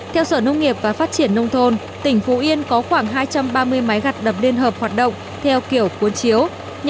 theo sở nông nghiệp và phát triển nông thôn tỉnh phú yên có khoảng hai trăm ba mươi máy gặt đập liên hợp hoạt động theo kiểu cuốn chiếu